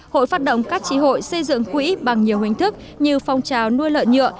hội phát động các tri hội xây dựng quỹ bằng nhiều hình thức như phong trào nuôi lợn nhựa